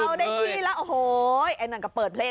อันนี้แปลกเปิดเพลง